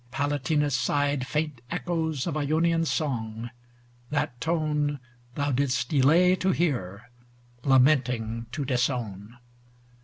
Palatinus sighed Faint echoes of Ionian song; that tone Thou didst delay to hear, lamenting to disown.